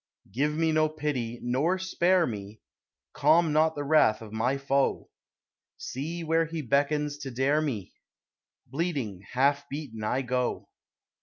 Give me no pity, nor spare me; Calm not the wrath of my Foe. See where he beckons to dare me! Bleeding, half beaten I go.